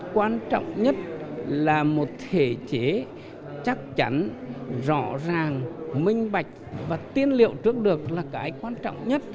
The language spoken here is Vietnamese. quan trọng nhất là một thể chế chắc chắn rõ ràng minh bạch và tiên liệu trước được là cái quan trọng nhất